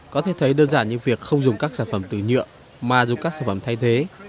có thể thấy đơn giản như việc không dùng các sản phẩm từ nhựa mà dù các sản phẩm thay thế